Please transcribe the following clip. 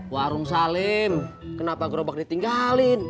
warung salim kenapa gerobak ditinggalin